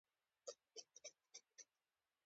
یوه شېبه غلی و.